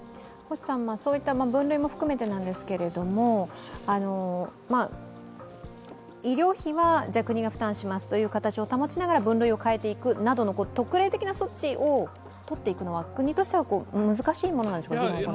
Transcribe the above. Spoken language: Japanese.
そういった分類も含めてなんですけれども、医療費は国が負担しますという形を保ちながら分類を変えていくなど、特例的な措置を取っていくのは国としては難しいものなんでしょうか？